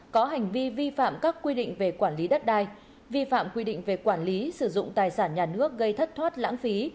có hành vi vi phạm các quy định về quản lý đất đai vi phạm quy định về quản lý sử dụng tài sản nhà nước gây thất thoát lãng phí